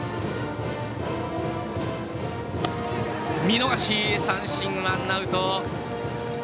見逃し三振、ワンアウト。